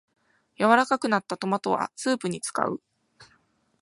柔らかくなったトマトはスープに使う